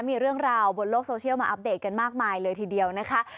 มีเรื่องราวบนโลกโซเชียลมาอัปเดตกันมากมายเลยทีเดียวนะคะ